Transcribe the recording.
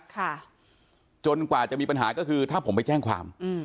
ค่ะจนกว่าจะมีปัญหาก็คือถ้าผมไปแจ้งความอืม